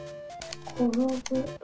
「ころぶ」。